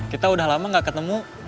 kita udah lama gak ketemu